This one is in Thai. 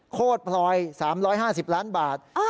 โคตรพลอย๓๕๐ล้านบาท